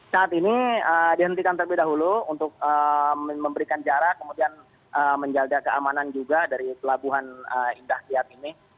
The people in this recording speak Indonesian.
saat ini dihentikan terlebih dahulu untuk memberikan jarak kemudian menjaga keamanan juga dari pelabuhan indah kiat ini